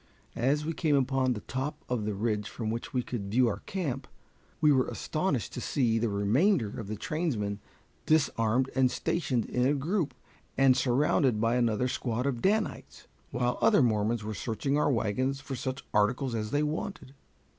As we came upon the top of the ridge from which we could view our camp, we were astonished to see the remainder of the trainmen disarmed and stationed in a group, and surrounded by another squad of Danites, while other Mormons were searching our wagons for such articles as they wanted.